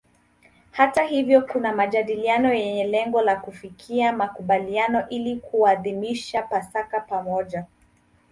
Hata hivyo kuna majadiliano yenye lengo la kufikia makubaliano ili kuadhimisha Pasaka pamoja.